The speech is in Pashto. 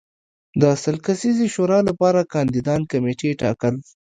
د سل کسیزې شورا لپاره کاندیدان کمېټې ټاکل